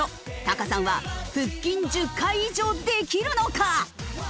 タカさんは腹筋１０回以上できるのか？